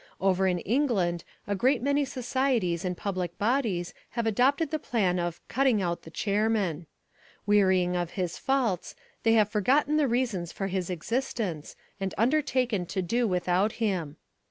Over in England a great many societies and public bodies have adopted the plan of "cutting out the chairman." Wearying of his faults, they have forgotten the reasons for his existence and undertaken to do without him.